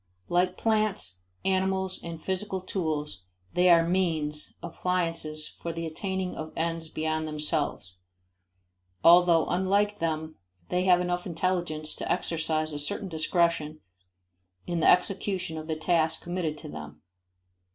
Like plants, animals and physical tools, they are means, appliances, for the attaining of ends beyond themselves, although unlike them they have enough intelligence to exercise a certain discretion in the execution of the tasks committed to them.